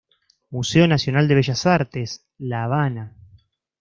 Museo Nacional de Bellas Artes, La Habana.